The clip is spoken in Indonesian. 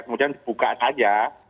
kemudian dibuka saja